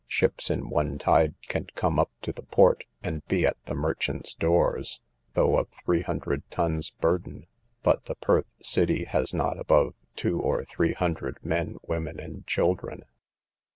Ships in one tide can come up to the port, and be at the merchants' doors, though of three hundred tons burden; but the Perth city has not above two or three hundred men, women, and children.